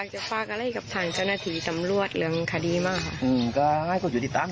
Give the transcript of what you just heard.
จะฝากอะไรกับฐานกรณฐีสำรวจเรืองคดีมาก